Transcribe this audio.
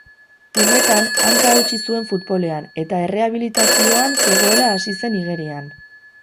Umetan, hanka hautsi zuen futbolean, eta errehabilitazioan zegoela hasi zen igerian.